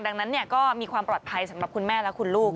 ดังนั้นก็มีความปลอดภัยสำหรับคุณแม่และคุณลูก